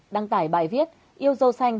đăng tải bài viết yêu dâu xanh